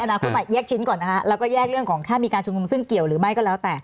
อนาคมากแยกชิ้นก่อนแล้วก็แยกเรื่องของค่าบิกาชุมภูมิซึ่งเกี่ยวหรือไม่ก็แล้วแต่